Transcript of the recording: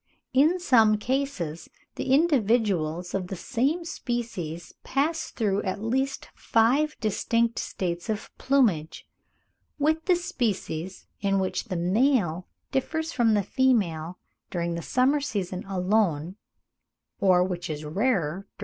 In some cases the individuals of the same species pass through at least five distinct states of plumage. With the species, in which the male differs from the female during the summer season alone, or, which is rarer, during both seasons (41.